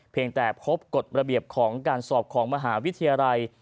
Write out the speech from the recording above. แต่พบกฎระเบียบของการสอบของมหาวิทยาลัย